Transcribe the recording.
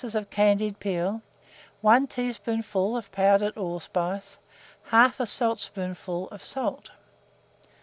of candied peel, 1 teaspoonful of powdered allspice, 1/2 saltspoonful of salt.